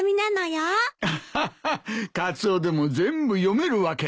アハハカツオでも全部読めるわけだ。